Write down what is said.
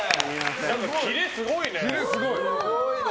キレ、すごいね。